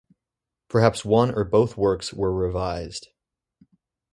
Perhaps one or both works were revised.